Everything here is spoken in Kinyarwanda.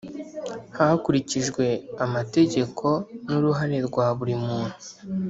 Hakurikijwe amategeko n uruhare rwa buri muntu